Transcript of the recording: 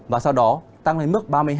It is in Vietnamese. và sau đó tăng lên mức ba mươi hai